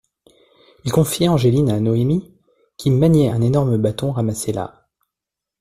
Il confiait Angeline à Noémie qui maniait un énorme bâton ramassé là.